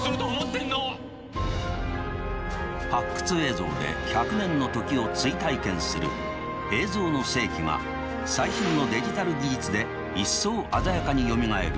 発掘映像で１００年の時を追体験する「映像の世紀」が最新のデジタル技術で一層鮮やかによみがえる